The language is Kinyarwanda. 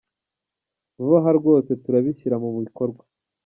Vuba aha rwose turabishyira mu bikorwa.